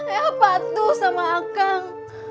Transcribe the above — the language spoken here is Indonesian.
eha patuh sama akang